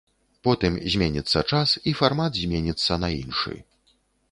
Потым зменіцца час, і фармат зменіцца на іншы.